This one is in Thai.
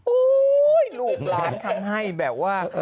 โอ๊ยลูกร้านทำให้แบบว่า